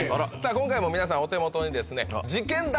今回も皆さんお手元にですね事ケンだ！